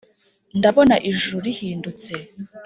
ndabona ijuru rihindutse